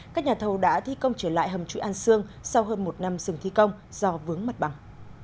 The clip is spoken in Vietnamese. các nhà thầu đã thi công trở lại hầm chuỗi an sương sau hơn một năm dừng thi công do vướng mặt bằng